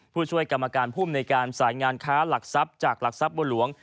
ผู้ช่วยกรรมการภูมิในการสายงานค้าหลักทรัพย์จากหลักทรัพย์บัวหลวง